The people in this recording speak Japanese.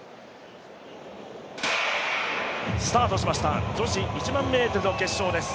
スタートしました女子１００００ｍの決勝です。